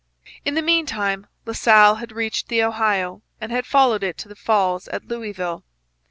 In the meantime La Salle had reached the Ohio and had followed it to the falls at Louisville.